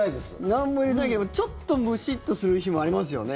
なんも入れてないけどちょっとムシッとする日もありますよね。